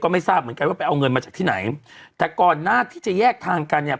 ไม่ทราบเหมือนกันว่าไปเอาเงินมาจากที่ไหนแต่ก่อนหน้าที่จะแยกทางกันเนี่ย